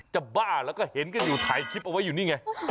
บ้าแล้วก็เห็นกันอยู่ถ่ายคลิปเอาไว้อยู่นี่ไง